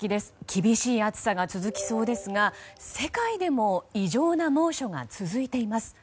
厳しい暑さが続きそうですが世界でも異常な猛暑が続いています。